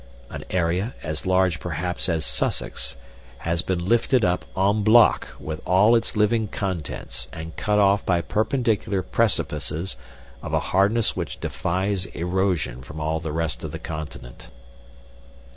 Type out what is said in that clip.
An area, as large perhaps as Sussex, has been lifted up en bloc with all its living contents, and cut off by perpendicular precipices of a hardness which defies erosion from all the rest of the continent.